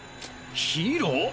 ヒーロー！？